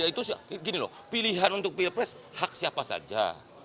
itu gini loh pilihan untuk pilpres hak siapa saja